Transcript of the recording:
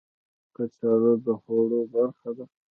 کچالو د خوړو برخه ده